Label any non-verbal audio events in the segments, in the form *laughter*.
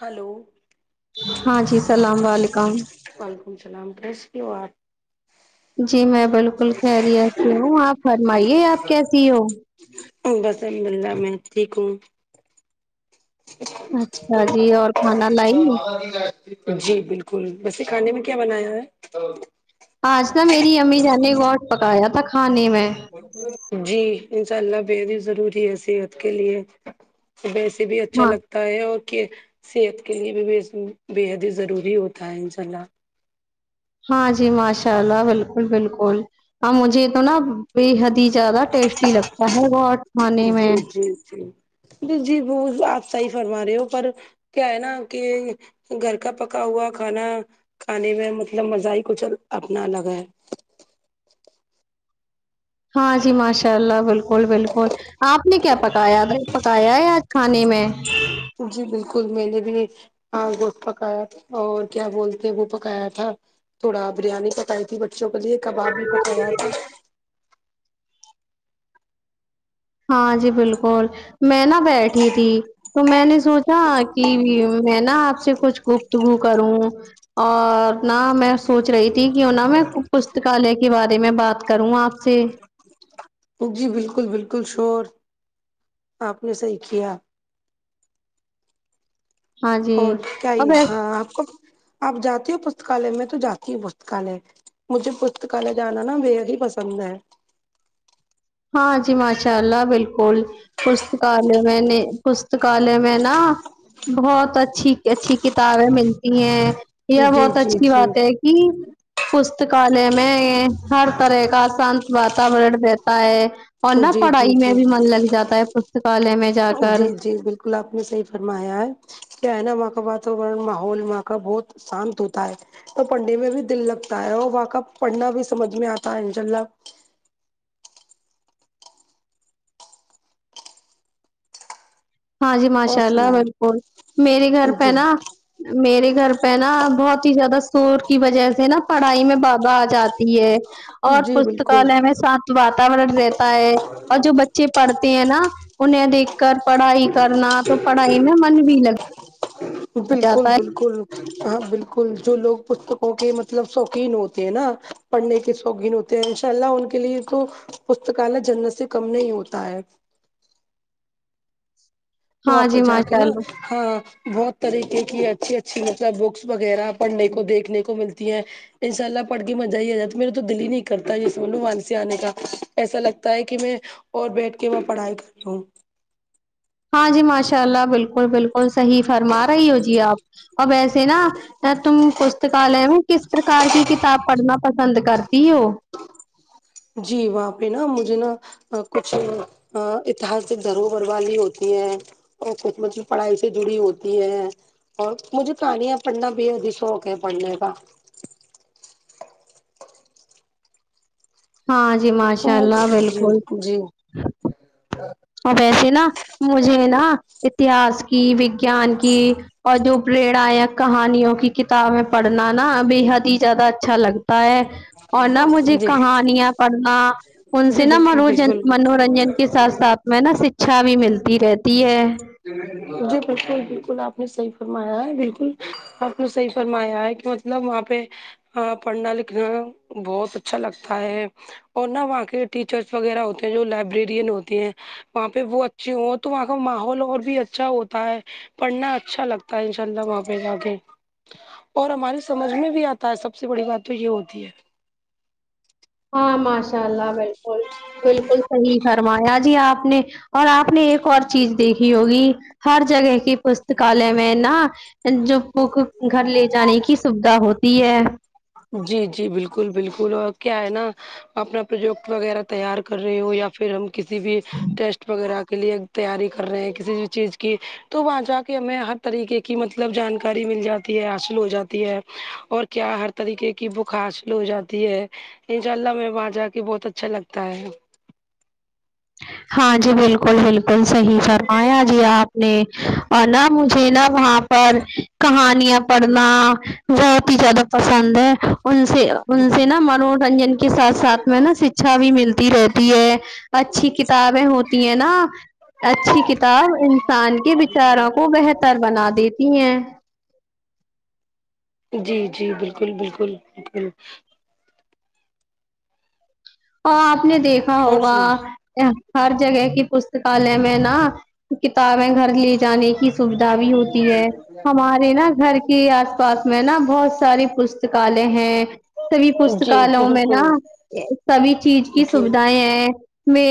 hello ہاں جی السلام علیکم وعلیکم السلام کیسی ہو آپ جی میں بالکل خیریت سے ہوں آپ فرمائیے آپ کیسی ہو سے الحمد للہ میں ٹھیک ہوں اچھا جی اور کھانا لائی جی بالکل بسے کھانے میں کیا بنایا ہے آج نا میری امی جان نے گوٹ پکایا تھا کھانے میں جی انشاء اللہ بے حد ہی ضروری ہے صحت کے لیے ویسے بھی اچھا ہاں لگتا تا ہے اور صحت کے لیے بھی بے حد ہی ضروری ہوتا ہے انشاء اللہ ہاں جی ماشاء اللہ بالکل بالکل مجھے تو نا بے حد ہی زیادہ ٹیسٹی لگتا ہے وہ کھانے میں جی جی ج جی وہ آپ صحیح فرما رہے ہو پر کیا ہے نا کہ گھر کا پکا ہوا کھانا کھانے میں مطلب مزہ ہی کچہ اپنا الگ ہے ہاں جی ماشاء اللہ بالکل بالکل آپ نے کیا پکایا ا پکایا ہے یہ کھانے میں جی بالکل میں نے بھی ہاں گوشت پکایا تھا اور کیا بولتے وہ پکایا تھا تھوڑا بریانی پکائی تھی بچوں کے لیے کباب بھی پکایا تھا ہاں جی بالکل میں نا بیٹھی تھی تو میں نے سوچا کہ میں نا آپ سے کچھ گفتگو کروں اور نہ میں سوچ رہی تھی کہ نہ میں پستکالیہ کے بارے میں بات کروں آپ جی جی بالکل بالکل شور آپ نے صحیح کیا ہاں جی اور کیا ہی اب ایسے ہاں آپ کو آپ جاتی ہو پستکالیہ میں تو جاتی ہ پستکالیہ مجھے پستکالے جانا نا بے ہی پسند ہے ہاں جی ماشاء اللہ بالکل پستکالیہ میں نے پستکالیہ میں نا بہت اچھی اچھی کتابیں ملتی ہیں جی بہت جی اچھی جی بات ہے یہ پستکالے میں ہر طرح کاشت واتن ہے اور نہا جی جی پڑھائی میں جی بھی من لگ جاتا ہے پستکالیہ میں جا کر گلا آپ نے صحیح فرمایا ہے کیا ہے نا وہاں کا واتورن ماحول وہاں کا بہت شانت ہوتا ہے تو پڑھنے میں بھی دل لگتا ہے اور واقع پڑھنا بھی سمجھ میں آتا ہے انشاءلہ ہاں جی اور ماشاء اللہ سنا بالکل میرے گھر ہے جی پہنا میرے گھر پہ نا بہت ہی زیادہ شور کی وجہ سے نا پڑھائی میں بھا آ جاتی ہے اور جی بالکل پستکالے میں شانت واتاورن رہ ہے اور جو بچے پڑھتے ہیں نا انہیں دیکھ کر پڑھائی کرنا تو پڑھائی میں من بھی لگا بالکل بالکل ہاں بالکل جو لوگ پستکوں کے مطلب شوقین ہوتے ہیں نا پڑھنے کے شوگین ہوتے ہیں ان شاء اللہ ان کے لیے تو پستکالیہ جنت سے کم نہیں ہوتا ہے ہاں واپس جی جا کے ماشاء نا اللہ ہاں بہت طریقے کی اچھی اچھی مطلب بکس وغیرہ پڑھنے کو دیکھنے کو ملتی ہیں انشاء اللہ پڑھ کے مزہ ہی آ جاتا میرے تو دل ہی نہیں کرتا جیس مو مان سے آنے کا ایسا لگتا ہے کہ میں اور بیٹھ کے میں پڑھائی کر لوں ہاں جی ماشاء اللہ بالکل بالکل صحیح فرما رہی ہو جی آپ ا ویسے نا تم پستکالیہ میں کس پرکار کی کتاب پڑھنا پسند کرتی وہ جی وہاں پہ نا مجھے نا کچھ اتہاسک دھروہر والی ہوتی ہے اور خدمت پڑھائی سے جڑی ہوتی ہے اور مجھے کہانیاں پڑھنا بے اد ہی شوق ہے پڑھنے کا ہاں جی ماشاء اللہ جی بالکل جی اور ویسے نا مجھے نا اتہاس کی وگیان کی اور جو پریرائک کہانیوں کی کتابیں پڑھنا نا بےحد ہی زیادہ اچھا لگتا اور نہ مجھے جی کہانیاں پڑھنا ان جی سے نہ بالکل مروجن بالکل منورنجن کے ساتھ ساتھ میں نا شکچھا بھی ملتی رہتی ہے جی بالکل بالکل آپ نے صحیح فرمایا ہے بالکل آپ نے صحیح فرمایا ہے کہ مطلب وہاں پہ پڑھنا لکھنا بہت اچھا لگتا ہے اور نا وہاں کے ٹیچرس وغیرہ ہوتے ہیں جو لائبریرین ہوتی ہیں وہاں پہ وہ جی وہ تو وہاں کا ماحول اور بھی اچھا ہوتا ہے پڑھنا اچھا لگتا ہے ان شاء اللہ وہاں پہ جا کے اور ہماری سمجھ میں بھی آتا ہے سب سے بڑی بات تو یہ ہوتی ہے ہاں ماشاء اللہ بالکل بالکل صحیح فرمایا جی آپ نے اور آپ نے ایک اور چیز دیکھی ہوگی ہر جگہ کی پستکالیہ میں نا جو پک گھر لے جانے کی سودھا ہوتی ہے جی جی بالکل بالکل اور کیا ہے نا اپنا پروجیکٹ وغیرہ تیار کر رہے ہو یا پھر ہم کسی بھی ٹیسٹ وغیرہ کے لیے تیاری کر رہے ہیں کسی بھی چیز کی تو وہاں جا کے ہمیں ہر طریقے کی مطلب جانکاری مل جاتی ہے حاصل ہو جاتی ہے اور کیا ہر طریقے کی بک حاصل ہو جاتی ہے ان شاء اللہ ہم وہاں جا کے بہت اچھا لگتا ہے ہاں جی بالکل بالکل صحیح فرمایا جی آپ نے اور نا مجھے نا وہاں پر کہانیاں پڑھنا بہت ہی زیادہ پسند ہے ان سے ان سے نا منورنجن کے ساتھ ساتھ میں نا شکچھا بھی ملتی رہتی ہے اچھی کتابیں ہوتی ہیں نا اچھی کتاب انسان کے بچاروں کو بہتر بنا دیتی ہیں جی جی بالکل بالکل بالک ہاں آپ نے دیکھا اور ہوگا سنا ہر جگہ کی پستکالیہ میں نا کتابیں گھر لی جانے کی سویدھا بھی ہوتی ہے ہمارے نا گھر کی آس پاس میں نا بہت ساری پستکالے ہیں سبھی جی جی پستکالوں میں نا بالکل سبھی چیز کی جی سویدائیں ہیں میں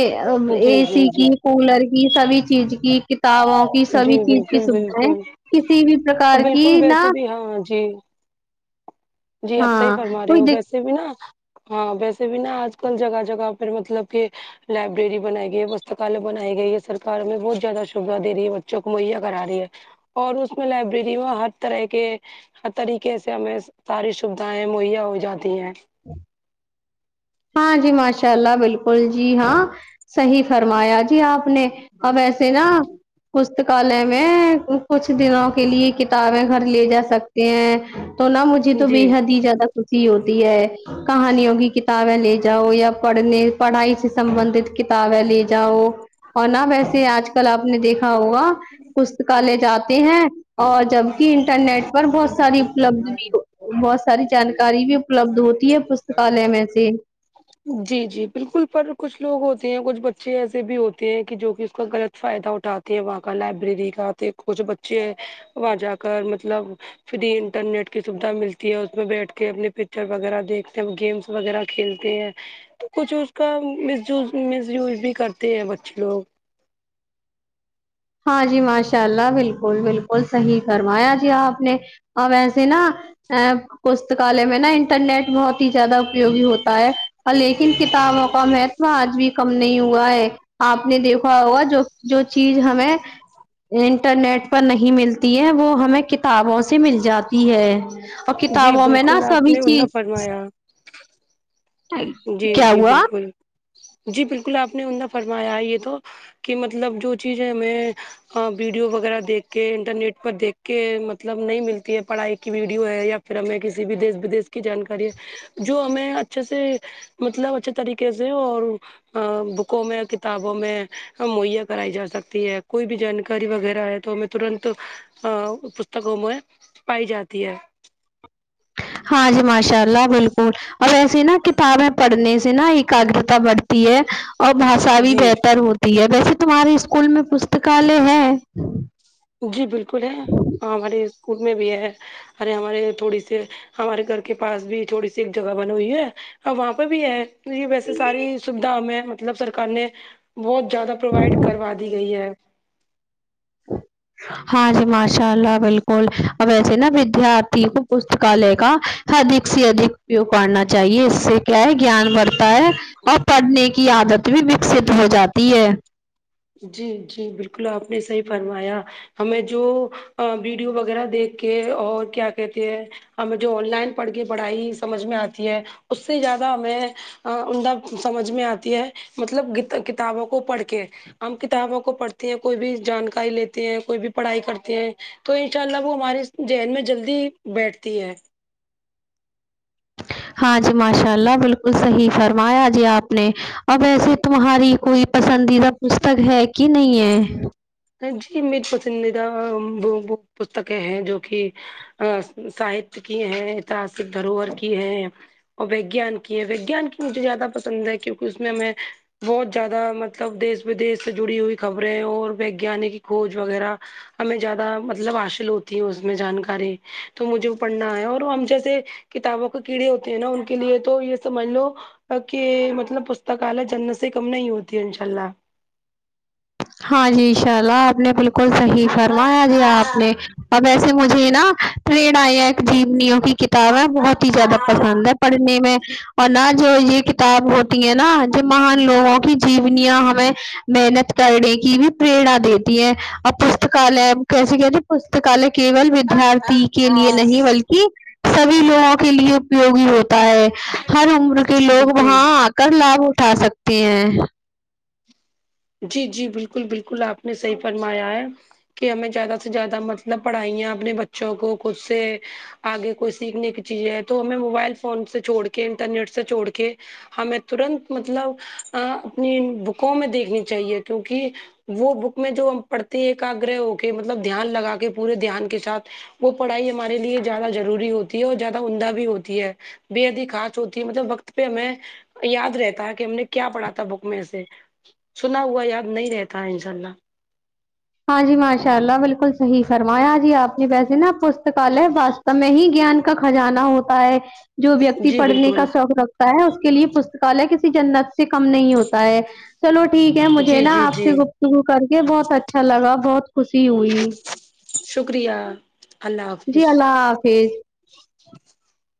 اے جی جی سی کی جی کولر کی سبی چیز کی کتابوں کی جی سبھی چیز کی بالکل سودھاے بالکل کسی بھی پرکار کی بالکل نا ویسے بھی ہاں جی جی آپ صحیح ہاں فرما رہے کوئی ہو دق ویسے بھی نا ہاں ویسے بھی نا آج کل جگہ جگہ پر مطلب کہ لائبریری بنائی گئی ہے پستکال بنای گیی ہےسرکار میں بہت جیادہ سویدھاے رہی ہے بچوں کو مہیا کرا رہی ہے اور اس میں لائبریری میں ہر طرح کے ہر طریقے سے ہمیں ساری سویدھائیں مہیا ہو جاتی ہیں ہاں جی ماشاء اللہ بالکل جی ہاں صحیح فرمایا جی آپ نے اب ایسے نا پستکالے میں کچھ دنوں کے لیے کتابیں گھر لے جا سکتے ہیں تو نہا مجھے تو بے جی حد ہی زیادہ خوشی ہوتی ہے کہانیوں کی کی کتابیں لے جاؤ یا پڑھنے پڑھائی سے سبندت کتابیں لے جاؤ اور نہ ویسے آج کل اپ نے دیکھا ہوگا پستکالے جاتے ہیں اور جبکی انٹرنیٹ بہت ساری اپلبدھ بھی بہت ساری جانکاری بھی اپلبد ہوتی ہے پست کالے میں سے جی جی بالکل پر کچھ لوگ ہوتے ہیں کچھ بچے ایسے بھی ہوتے ہیں کہ جو کہ اس کا غلط فائدہ اٹھاتا وہاں کا لائبریری کا تے کچھ بچے وہاں جا کر مطلب فری انٹرنیٹ کی سویدھا ملتی ہے اس میں بیٹھ کے اپنے پکچر وغیرہ دیکھتے ہیں گیمس وغیرہ کھیلتے ہیں کچھ اس کا مسوز مس یوز بھی کرتے ہیں بچے لوگ ہاں جی ماشاء اللہ بالکل بالکل صحیح فرمایا جی آپ نے اب ایسے نا ا پستکالے میں نا انٹرنیٹ بہت ہی جیادہ اپیوگی ہوتا ہے ہاں لیکن کتابوں کا آج بھی کم نہیں ہوا ہے آپ نے دیکھا ہوگا جو جو چیز ہمیں انٹرنیٹ پر نہیں ملتی ہے وہ ہمیں کتابوں سے مل جاتی ہے اور جی کتابوں میں نا بالکل آپ سبھی نے عمدہ چیز فرمایا جی کیا جی ہوا بالکل جی بالکل آپ نے عمدہ فرمایا یہ تو کہ مطلب جو چیزیں میں ا ویڈیو وغیرہ دیکھ کے انٹرنیٹ پر دیکھ کے مطلب نہیں ملتی ہے پڑھائی کی ویڈیو ہے یا پھر ہمیں کسی بھی دیس ودیش کی جانکاری ہے جو ہمیں اچھے سے مطلب اچھے طریقے سے اور ہاں بکوں میں کتابوں میں مہیا کرائی جا سکتی ہے کوئی بھی جانکاری وغیرہ ہے تو ہم ترنت ا پستکوں میں پائی جاتی ہے ہاں جی ماشاء اللہ بالکل اب ایسی نا کتابیں پڑھنے سے نا ایکاگگرتا بڑھتی ہے اور بھاشا بھی جی بہتر ہوتی ہے ویسے تمہارے اسکول میں پستکالیہ ہے جی بالکل ہے ہمارے اسکول میں بھی ہے ارے ہمارے تھوڑی سی ہمارے گھر کے پاس بھی تھوڑی سی ایک جگہ بنی ہوئی ہے اب وہاں پہ بھی ہے یہ ویسے ساری سویدھا ہمیں مطلب سرکار نے بہت زیادہ پروائڈ کروا دی گئی ہے ہاں جی ماشاء اللہ بالکل ویسے ناں ودارتھی کو پستکالئے کا ادھک سے ادھک اپیوگ کرنا چاہیے اس سے کیا ہے گیان بڑھتا ہے اور پڑھنے کی عادت بھی وکست ہو جاتی ہے جی جی بالکل آپ نے صحیح فرمایا ہمیں جو ویڈیو وغیرہ دیکھ کے اور کیا کہتے ہیں ہمیں جو آن لائن پڑھ کے پڑھائی سمجھ میں آتی ہے اس سے زیادہ ہمیں عمدہ سمجھ میں آتی ہے مطلب کتابوں کو پڑھ کے ہم کتابوں کو پڑھتے ہیں کوئی بھی جانکاری لیتے ہیں کوئی بھی پڑھائی کرتے ہیں تو ان شاء اللہ وہ ہمارے جہن میں جلدی بیٹھتی ہے ہاں جی ماشاء اللہ بالکل صحیح فرمایا جی آپ نے اب ایسے تمہاری کوئی پسندیدہ پستک ہے کہ نہیں ہے جی میری پسندیدہ پستکیں ہیں جو کہ آ ساہتیہ کی ہے اتہاسک دھروہر کی ہے اور وگیان کی ہے وگیان کی مجھے زیادہ پسند ہے کیونکہ اس میں ہمیں بہت زیادہ مطلب دیش ودیش سے جڑی ہوئی خبریں اور ویگانک کھوج وغیرہ ہمیں زیادہ مطلب حاشل ہوتی ہے اس میں جانکاری تو مجھے وہ پڑھنا ہے اور ہم جیسے کتابوں کے کیڑے ہوتے ہیں ناں ان کے لیے تو یہ سمجھ لو کہ مطلب پستکالیہ جنت سے کم نہیں ہوتی انشاء اللہ ہاں جی ان شاء اللہ آپ نے بالکل صحیح فرمایا جی آپ نے اللہ اب ایسے مجھے ناں پریڑ آیا ایک جینی ہو کی کت کتابیں بہت ہی زیادہ پسند ہے پڑھنے میں اور ناں جو یہ کتاب ہوتی ہے ناں جب مہان لوگوں کی جیونیاں ہمیں محنت کرنے کی بھی پریرنا دیتی ہے آ پستکالیہ کیسے کہتے پستکالئے کیول ودیارتھی کے لیے نہیں بلکہ سبھی لوگوں کے لیے اپیوگی ہوتا ہے ہر عمر کے جی لوگ بالکل وہاں آ کر لابھ اٹھا سکتے ہیں جی جی بالکل بالکل آپ نے صحیح فرمایا ہے کہ ہمیں زیادہ سے زیادہ مطلب پڑھائیاں اپنے بچوں کو خود سے آگے کوئی سیکھنے کی چیز ہے تو ہمیں موبائل فون سے چھوڑ کے انٹرنیٹ سے چھوڑ کے ہمیں ترنت مطلب ا اپنی بکوں میں دیکھنی چاہیے کیونکہ وہ بک میں جو ہم پڑھتے ہیں ایکاگرہ ہو کے مطلب دھیان لگا کے پورے دھیان کے ساتھ وہ پڑھائی ہمارے لیے زیادہ ضروری ہوتی ہے اور زیادہ عمدہ بھی ہوتی ہے بے حد ہی خاص ہوتی ہے مطلب وقت پہ ہمیں یاد رہتا ہے کہ ہم نے کیا پڑھا تھا بک میں سے سنا ہوا یاد نہیں رہتا ہے انشاءاللہ ہاں جی ماشاء اللہ بالکل صحیح فرمایا جی آ ویسے ناں پستکالیہ واستو میں ہی گیان کا کھجانہ ہوتا ہے جو ویکتی جی پڑھنے کا بالکل شوق رکھ تا ہے اس کے لیے پستکالیہ کسی جنت سے کم نہیں ہوتا ہے چلو ٹھیک ہے مجھے جی ناں جی آپ جی سے گفتگو کرکے بہت اچھا لگا بہت خوشی ہوئی شکریہ اللہ جی حافظ اللہ حافظ *unintelligible*